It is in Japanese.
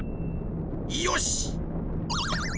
よし！